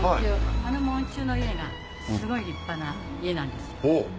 あの門柱の家がすごい立派な家なんですよ。